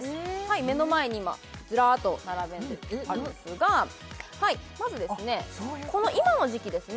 目の前に今ずらっと並べてあるんですがまずですね今の時期ですね